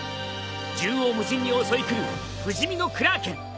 縦横無尽に襲いくる不死身のクラーケン。